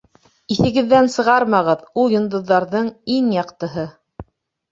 Иҫегеҙҙән сығармағыҙ: ул йондоҙҙарҙың иң яҡтыһы.